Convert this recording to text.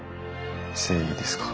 誠意ですか。